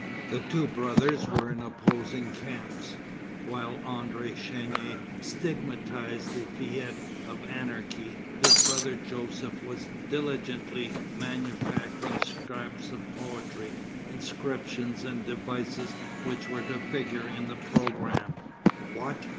The two brothers were in opposing camps. While André Chénier stigmatized the fête of anarchy, his brother Joseph was diligently manufacturing scraps of poetry, inscriptions, and devices which were to figure in the programme. "What!"